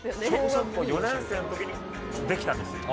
小学校４年生のときに出来たんです。